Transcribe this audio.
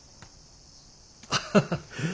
ハハハハ。